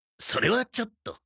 それはちょっと。